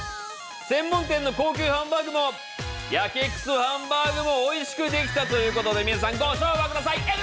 専門店の高級ハンバーグもやけくそハンバーグもおいしくできたということでみなさんご唱和ください！